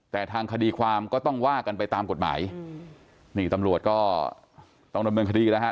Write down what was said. แต่ทางคดีความก็ต้องว่ากันไปตามกฎหมายนี่ตำรวจก็ต้องดำเนินคดีแล้วฮะ